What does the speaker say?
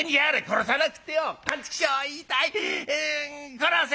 殺せ。